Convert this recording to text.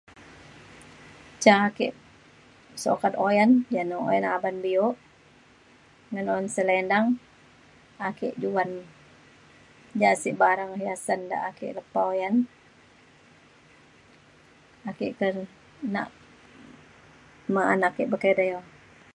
Ca ake sukat oyan [unintelligible] uban biu' ngan un selendang ake juan ya mesik barang hiasan ya ake lepa oyan ake te nak ma anak ake pakai. [unintelligible]